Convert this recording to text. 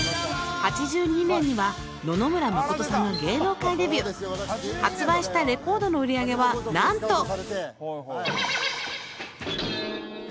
８２年には野々村真さんが芸能界デビュー発売したレコードの売り上げはなんと！